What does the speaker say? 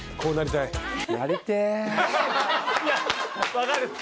分かる。